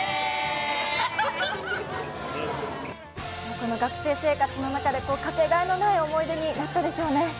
この学生生活の中でかけがえのない思い出になったでしょうね。